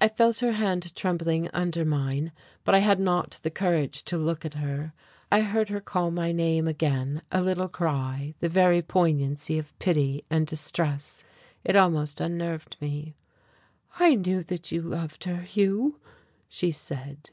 I felt her hand trembling under mine, but I had not the courage to look at her. I heard her call my name again a little cry, the very poignancy of pity and distress. It almost unnerved me. "I knew that you loved her, Hugh," she said.